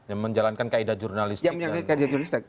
yang menjalankan kaedah jurnalistik